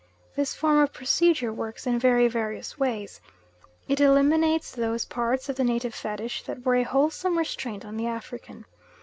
This form of procedure works in very various ways. It eliminates those parts of the native fetish that were a wholesome restraint on the African.